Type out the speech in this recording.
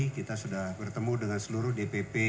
kita sudah bertemu dengan seluruh dpp